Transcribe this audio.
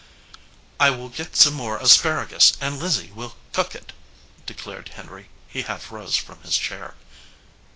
"I will get some more asparagus, and Lizzie will cook it," declared Henry. He half rose from his chair.